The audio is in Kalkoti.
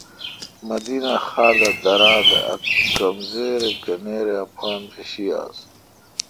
مدینہ خار دا درا۔ تہ ا کمزِر گنیراے اپان تہ شی آس۔